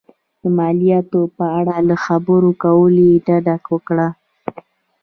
د مالیاتو په اړه له خبرو کولو یې ډډه وکړه.